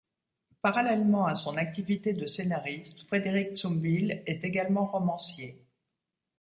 Parallèlement à son activité de scénariste, Frédéric Zumbiehl est également romancier.